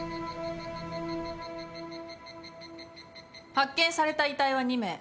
発見された遺体は２名。